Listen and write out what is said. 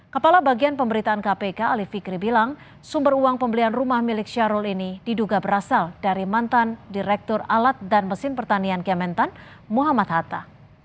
kepala bagian pemberitaan kpk ali fikri bilang sumber uang pembelian rumah milik syahrul ini diduga berasal dari mantan direktur alat dan mesin pertanian kementan muhammad hatta